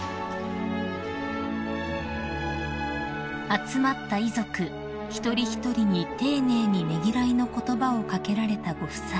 ［集まった遺族一人一人に丁寧にねぎらいの言葉を掛けられたご夫妻］